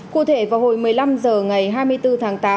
cụ thể vào hồi một mươi năm h ngày hai mươi bốn tháng tám